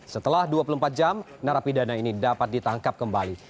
setelah dua puluh empat jam narapidana ini dapat ditangkap kembali